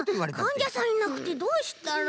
かんじゃさんいなくてどうしたら？